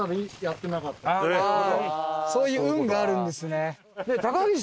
そういう運があるんですね。